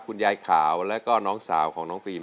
คุณยายขาวแล้วก็น้องสาวของน้องฟิล์ม